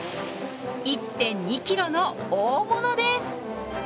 １．２キロの大物です。